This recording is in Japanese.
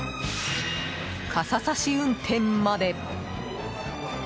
傘さし運転まで！